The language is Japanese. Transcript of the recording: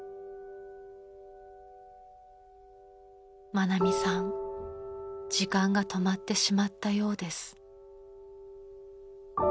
［愛美さん時間が止まってしまったようです］